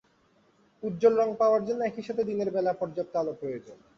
উজ্জ্বল রং পাওয়ার জন্য একইসাথে দিনের বেলা পর্যাপ্ত আলো প্রয়োজন।